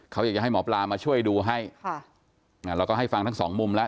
เขาอยากจะให้หมอปลามาช่วยดูให้ค่ะอ่าเราก็ให้ฟังทั้งสองมุมแล้ว